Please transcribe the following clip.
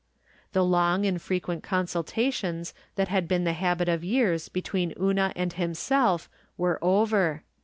The long and frequent constil< tations that had been the habit of years between Una and himself were over.